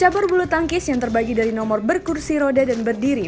cabur bulu tangkis yang terbagi dari nomor berkursi roda dan berdiri